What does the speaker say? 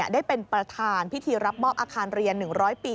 ได้เป็นประธานพิธีรับมอบอาคารเรียน๑๐๐ปี